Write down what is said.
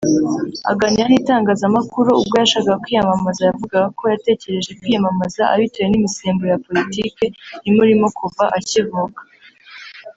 Aganira n’itangazamakuru ubwo yashakaga kwiyamamaza yavugaga ko yatekereje kwiyamamaza abitewe n’imisemburo ya politike imurimo kuva akivuka